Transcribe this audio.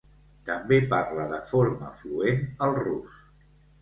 També parla de forma fluent el rus.